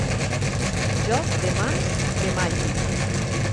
Jocs de mans de màgic.